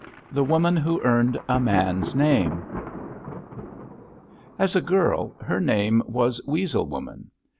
THE WOMAN WHO EARNED A MAN'S NAME "As a girl, her name was Weasel Woman.